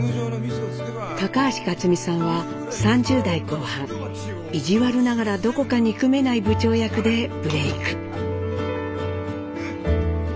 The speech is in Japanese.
高橋克実さんは３０代後半意地悪ながらどこか憎めない部長役でブレーク。